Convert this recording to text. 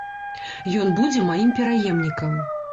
Ён будзе маім пераемнікам.